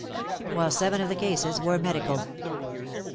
whilst seven of the cases were medical.